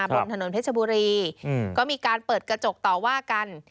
บนถนนเพชรบุรีก็มีการเปิดกระจกต่อว่ากัน